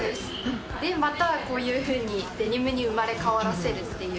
で、またこういうふうにデニムに生まれ変わらせるっていう。